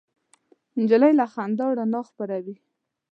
نجلۍ له خندا رڼا خپروي.